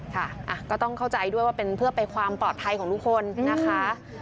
ค่ะก็ต้องเข้าใจด้วยว่าเป็นเพื่อไปความปลอดภัยของทุกคนนะคะ